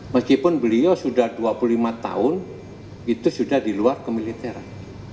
meskipun beliau sudah dua puluh lima tahun itu sudah di luar kemiliteran